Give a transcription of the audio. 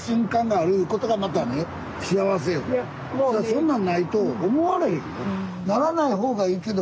そんなんないと思われへんよ。